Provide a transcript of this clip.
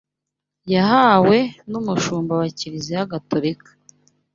yahawe n’Umushumba wa Kiliziya Gatolika